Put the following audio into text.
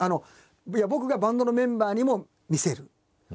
僕がバンドのメンバーにも見せる。